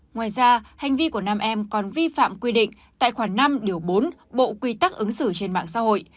ngoài ra hành vi của nam em còn vi phạm quy định tại khoản năm điều bốn bộ quy tắc ứng xử trên mạng xã hội